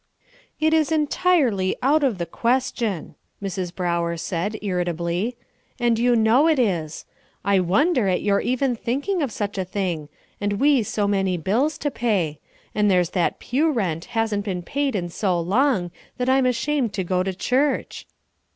"It is entirely out of the question," Mrs. Brower said, irritably, "and you know it is. I wonder at your even thinking of such a thing, and we so many bills to pay; and there's that pew rent hasn't been paid in so long that I'm ashamed to go to church."